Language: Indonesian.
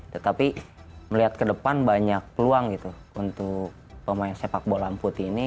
tetapi melihat ke depan banyak peluang gitu untuk pemain sepak bola amputi ini